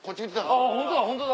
あっホントだホントだ。